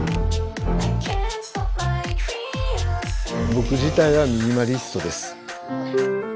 僕自体はミニマリストです。